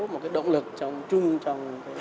một cái động lực trong